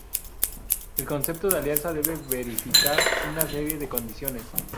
El concepto de alianza debe verificar una serie de condiciones.